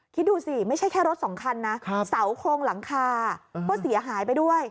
คิดดูสิไม่ใช่แค่รถสองคันนะเสาโครงหลังคาก็เสียหายไปด้วย